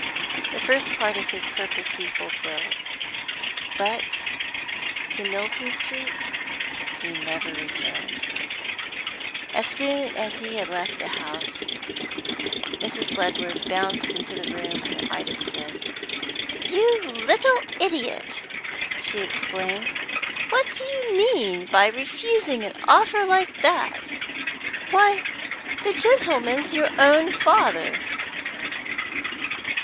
The first part of his purpose he fulfilled; but to Milton Street he never returned. As soon as he had left the house, Mrs. Ledward bounced into the room where Ida stood. "You little idjot!" she exclaimed. "What do you mean by refusing a offer like that! Why, the gentleman's your own father."